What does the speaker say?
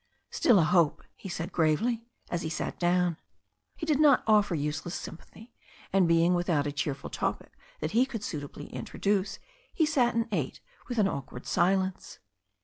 "Still a hope," he said gravely, as he sat down. He did not offer useless sympathy, and being without a cheerful topic that he could suitably introduce, he sat and ate with an awkward silence.